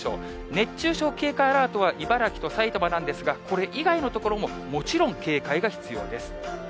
熱中症警戒アラートは茨城と埼玉なんですが、これ以外の所ももちろん警戒が必要です。